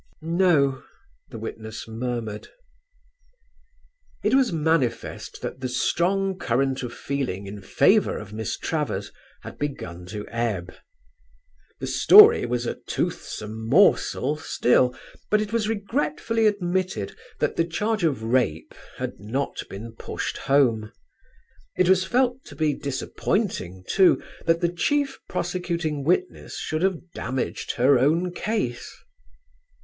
"No," the witness murmured. It was manifest that the strong current of feeling in favour of Miss Travers had begun to ebb. The story was a toothsome morsel still: but it was regretfully admitted that the charge of rape had not been pushed home. It was felt to be disappointing, too, that the chief prosecuting witness should have damaged her own case.